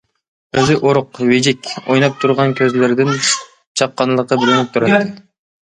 ئۆزى ئورۇق، ۋىجىك، ئويناپ تۇرغان كۆزلىرىدىن چاققانلىقى بىلىنىپ تۇراتتى.